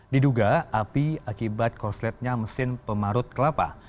diduga api akibat korsletnya mesin pemarut kelapa